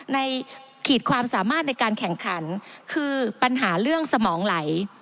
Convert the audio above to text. ขีดความสามารถในการแข่งขันคือปัญหาเรื่องสมองไหล